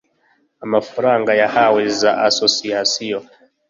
amafaranga yahawe za asosiyasiyo